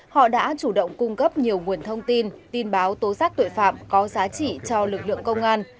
họ đã chủ động cung cấp nhiều nguồn thông tin tin báo tố giác tội phạm có giá trị cho lực lượng công an